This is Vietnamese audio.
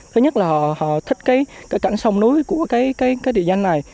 thứ nhất là họ thích cái cảnh sông núi của cái địa danh này